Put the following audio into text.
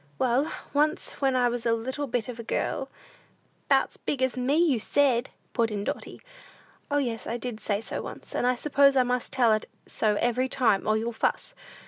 Well, once when I was a little bit of a girl " "'Bout's big as me, you said," put in Dotty. "O, yes, I did say so once, and I suppose I must tell it so every time, or you'll fuss!